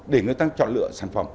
để người ta chọn lựa